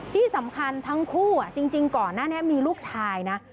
ที่สำคัญทั้งคู่จริงก่อนหน้านี้มีลูกชายนะ